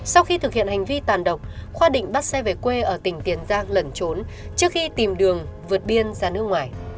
sau khi thực hiện hành vi tàn độc khoa định bắt xe về quê ở tỉnh tiền giang lẩn trốn trước khi tìm đường vượt biên ra nước ngoài